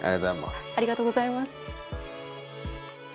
ありがとうございます。